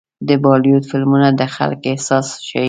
د بالیووډ فلمونه د خلکو احساس ښيي.